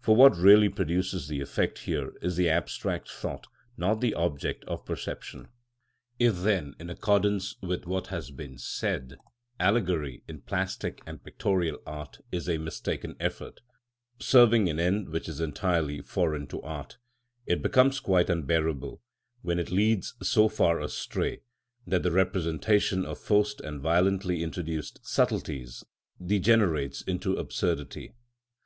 _" For what really produces the effect here is the abstract thought, not the object of perception. If then, in accordance with what has been said, allegory in plastic and pictorial art is a mistaken effort, serving an end which is entirely foreign to art, it becomes quite unbearable when it leads so far astray that the representation of forced and violently introduced subtilties degenerates into absurdity.